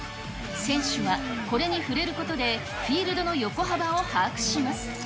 選手はこれに触れることで、フィールドの横幅を把握します。